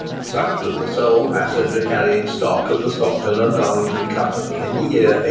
Such was the sole passenger carrying stock of the Stockton and Darlington Company in the year 1825.